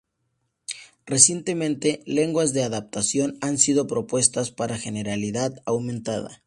Recientemente, lenguas de adaptación han sido propuestas para generalidad aumentada.